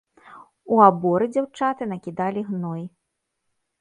У аборы дзяўчаты накідалі гной.